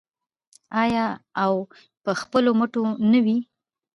آیا او په خپلو مټو نه وي؟